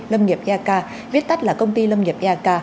lâm nghiệp ek viết tắt là công ty lâm nghiệp ek